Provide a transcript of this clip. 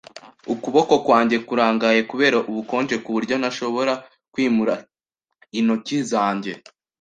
Ukuboko kwanjye kurangaye kubera ubukonje kuburyo ntashobora kwimura intoki zanjye.